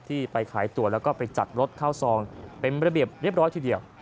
ไปขายตัวแล้วก็ไปจัดรถเข้าซองเป็นระเบียบเรียบร้อยทีเดียว